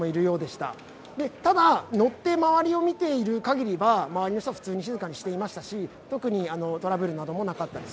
ただ、乗って周りを見ている限りは、周りの人は普通に静かにしていましたし特にトラブルなどもなかったです。